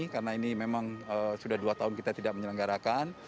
karena ini memang sudah dua tahun kita tidak menyelenggarakan